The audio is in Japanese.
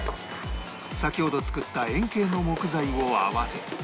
先ほど作った円形の木材を合わせ